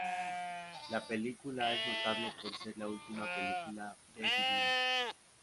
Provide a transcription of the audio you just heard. La película es notable por ser la última película de Divine.